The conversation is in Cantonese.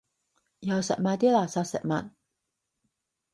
又食埋啲垃圾食物